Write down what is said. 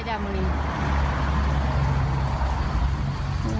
อ๋อกำลังเดินออกไป